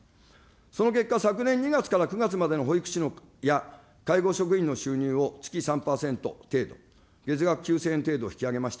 その結果、昨年２月から９月までの保育士や介護職員の収入を月３％程度、月額９０００円程度、引き上げました。